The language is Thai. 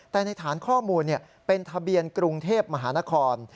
แต่ในฐานข้อมูลเป็นทะเบียนกรุงเทพมหานคร